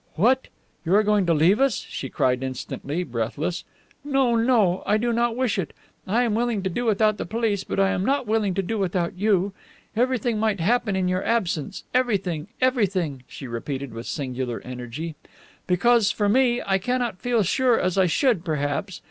"What! You are going to leave us?" she cried instantly, breathless. "No, no. I do not wish it. I am willing to do without the police, but I am not willing to do without you. Everything might happen in your absence. Everything! Everything!" she repeated with singular energy. "Because, for me, I cannot feel sure as I should, perhaps.